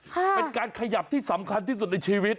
เป็นการขยับที่สำคัญที่สุดในชีวิต